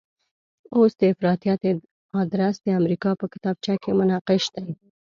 اوس د افراطیت ادرس د امریکا په کتابچه کې منقش دی.